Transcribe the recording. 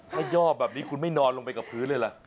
ถ้าย่อแบบนี้คุณไม่นอนลงไปกับพื้นเลยล่ะ